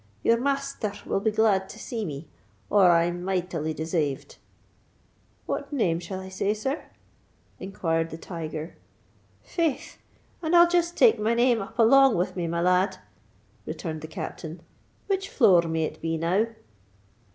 "Your masther will be glad to see me, or I'm mightily desayved." "What name shall I say, sir?" inquired the tiger. "Faith! and I'll just take my name up along with me, my lad," returned the Captain. "Which floor may it be now?"